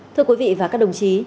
thưa quý vị và các đồng chí